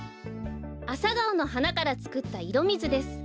アサガオのはなからつくったいろみずです。